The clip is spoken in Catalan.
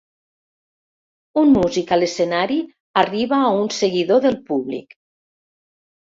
Un músic a l'escenari arriba a un seguidor del públic.